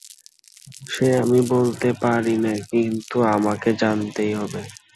সে আমি বলতে পারি নে, কিন্তু আমাকে জানতেই হবে।